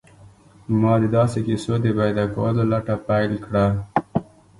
ما د داسې کیسو د پیدا کولو لټه پیل کړه